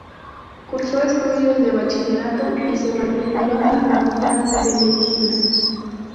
Cursó estudios de bachillerato y se matriculó en la facultad de medicina.